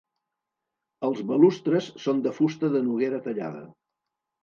Els balustres són de fusta de noguera tallada.